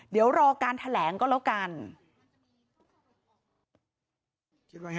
เดี๋ยวรอการแถลงก็แล้วกัน